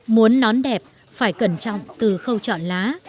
muốn nón đẹp phải cẩn trọng từ khâu chọn lá